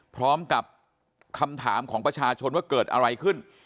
พร้อมกับคำถามของประชาชนว่าเกิดอะไรขึ้น